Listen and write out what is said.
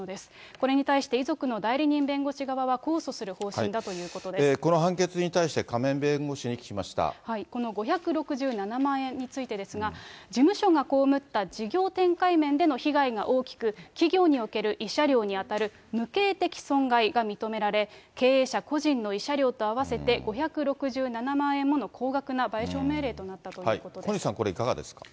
これに対して遺族の代理人弁護士側は控訴する方針だということでこの判決に対して、亀井弁護この５６７万円についてですが、事務所がこうむった事業展開面での被害が大きく、企業における慰謝料にあたる無形的損害が認められ、経営者個人の慰謝料と合わせて５６７万円もの高額な賠償命令とな小西さん、これいかがですか。